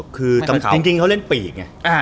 คือจริงเขาเล่นปีกไง